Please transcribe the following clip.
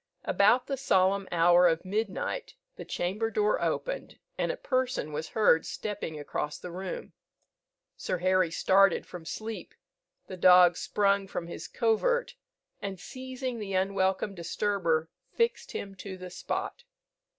About the solemn hour of midnight the chamber door opened, and a person was heard stepping across the room. Sir Harry started from sleep; the dog sprung from his covert, and seizing the unwelcome disturber, fixed him to the spot.